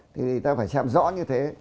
thì ta phải xem rõ như thế